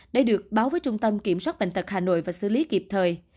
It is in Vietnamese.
để được báo với trung tâm kiểm soát bệnh tật hà nội và xử lý kịp thời